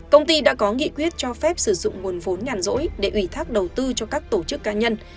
công ty đã có nghị quyết cho phép sử dụng nguồn vốn nhàn rỗi để ủy thác đầu tư cho các tổ chức cá nhân